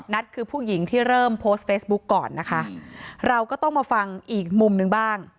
นัทคือผู้หญิงที่เริ่มโพสต์เฟซบุ๊กก่อนนะคะเราก็ต้องมาฟังอีกมุมหนึ่งบ้าง